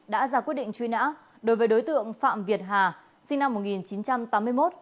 đã ra quyết định truy nã đối với đối tượng phạm việt hà sinh năm một nghìn chín trăm tám mươi một